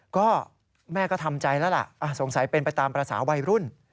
ก็แม่ก็ทำใจแล้วล่ะสงสัยเป็นไปตามภาษาวัยรุ่น